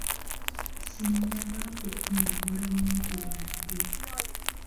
Sinnaba kufuna ndagamuntu yange.